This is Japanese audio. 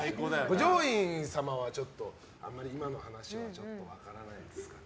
五条院様は、あんまり今の話は分からないですかね。